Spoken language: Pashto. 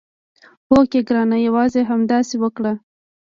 هوکې ګرانه یوازې همداسې وکړه.